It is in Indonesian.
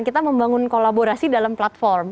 kita membangun kolaborasi dalam platform